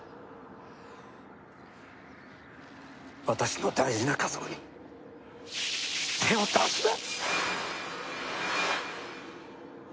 私の大事な家族に手を出すな。